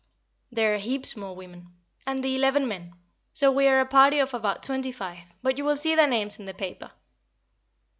There are heaps more women, and the eleven men, so we are a party of about twenty five; but you will see their names in the paper.